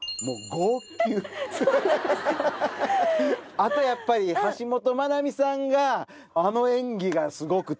あとやっぱり橋本マナミさんがあの演技がすごくて。